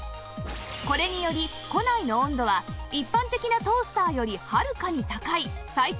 これにより庫内の温度は一般的なトースターよりはるかに高い最高２８０度に！